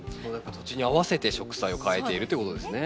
土地に合わせて植栽をかえているということですね。